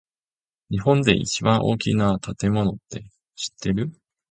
日本で一番大きな建物って知ってる？